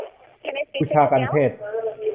บูชากัณฑ์เทศน์